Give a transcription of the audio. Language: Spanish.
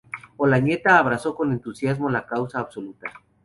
Olañeta abrazó con entusiasmo la causa absolutista.